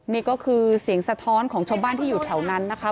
นี่ก็คือเสียงสะท้อนของชาวบ้านที่อยู่แถวนั้นนะคะ